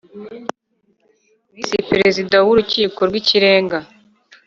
Visi Perezida w Urukiko rw Ikirenga